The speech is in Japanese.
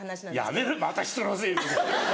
やめろまた人のせいにするの。